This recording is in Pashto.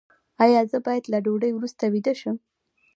ایا زه باید له ډوډۍ وروسته ویده شم؟